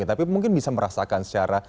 tapi mungkin bisa merasakan secara